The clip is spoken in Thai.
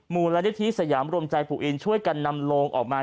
มูลนิธิสยามรวมใจปู่อินช่วยกันนำโลงออกมา